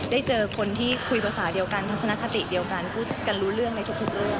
เจอคนที่คุยภาษาเดียวกันทัศนคติเดียวกันพูดกันรู้เรื่องในทุกเรื่อง